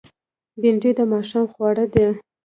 بېنډۍ د ماښام خواړه ده